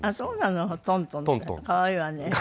可愛いわね。